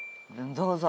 どうぞ。